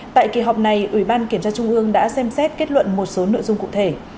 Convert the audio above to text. tại kỳ họp này ủy ban kiểm tra trung ương đã xem xét kết luận một số nội dung cụ thể